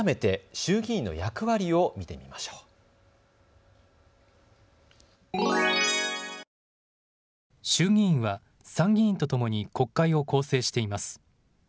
衆議院は参議院とともに国会を構成しています。